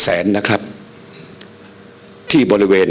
เพราะยังไม่ได้ไปเห็น